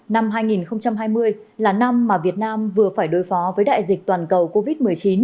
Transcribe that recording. năm hai nghìn hai mươi là năm mà việt nam vừa phải đối phó với đại dịch toàn cầu covid một mươi chín